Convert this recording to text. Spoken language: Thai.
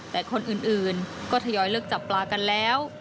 แต่คนอื่นก็ทยอยเลิกจับปลากันแล้ว